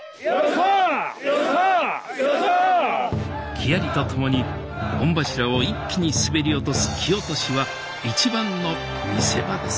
木遣りとともに御柱を一気に滑り落とす木落しは一番の見せ場です